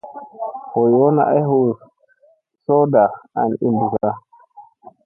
Voon yoona ay hu sooɗa an i bussa.